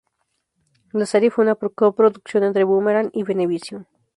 La serie fue una co-producción entre Boomerang y Venevisión.